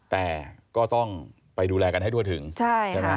แต่ก็ต้องไปดูแลกันให้ทั่วถึงใช่ไหม